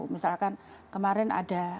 misalkan kemarin ada